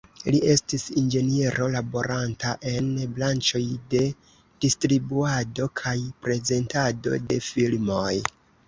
Li estis inĝeniero laboranta en branĉoj de distribuado kaj prezentado de filmoj.